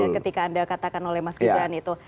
ketika anda katakan oleh mas gibran itu